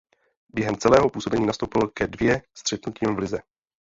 Během celého působení nastoupil ke dvě střetnutím v lize.